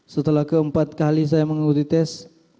setelah keempat kali saya mengikuti tes